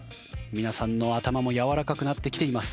皆さんの頭も柔らかくなってきています。